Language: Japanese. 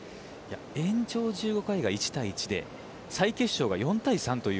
延長１５回で１対１で再試合が４対３。